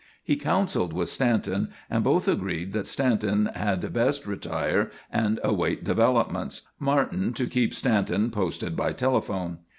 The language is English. He counselled with Stanton, and both agreed that Stanton had best retire and await developments, Martin to keep Stanton posted by telephone.